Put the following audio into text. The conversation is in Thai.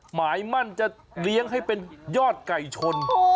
หมายมั่นจะเลี้ยงให้เป็นยอดไก่ชน